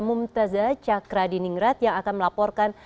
mumtazah chakra diningrat yang akan melaporkan